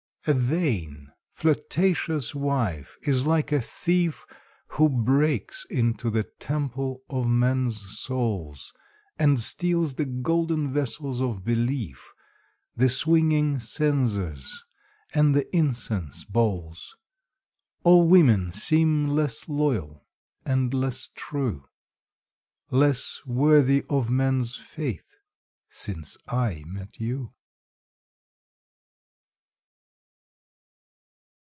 A vain, flirtatious wife is like a thief Who breaks into the temple of men's souls, And steals the golden vessels of belief, The swinging censers, and the incense bowls. All women seem less loyal and less true, Less worthy of men's faith since I met you.